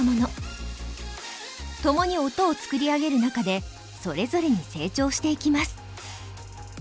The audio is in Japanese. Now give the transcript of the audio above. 共に音を作り上げる中でそれぞれに成長していきます。